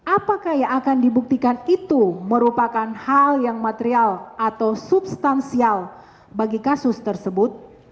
apakah yang akan dibuktikan itu merupakan hal yang material atau substansial bagi kasus tersebut